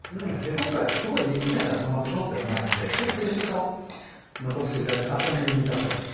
今回はすごい煮詰めたトマトソースではないのでちょっとフレッシュさを残していただいて浅めに煮たソースです。